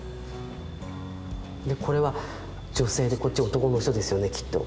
でこれは女性でこっち男の人ですよねきっと。